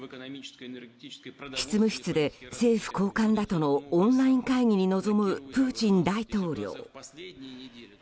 執務室で、政府高官らとのオンライン会議に臨むプーチン大統領。